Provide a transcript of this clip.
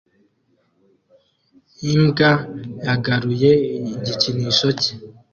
Imbwa yagaruye igikinisho cye